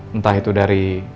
entah itu dari